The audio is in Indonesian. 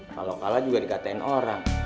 kalau kalah juga dikatakan orang